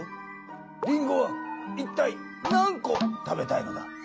りんごはいったい何コ食べたいのだ。